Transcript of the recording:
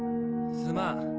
すまん。